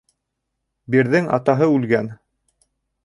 «Бир»ҙең атаһы үлгән.